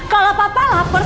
kalau papa lapar